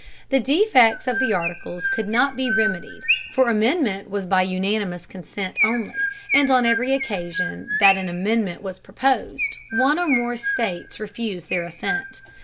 The defects of the Articles could not be remedied, for amendment was by unanimous consent only, and on every occasion that an amendment was proposed, one or more states refused their assent.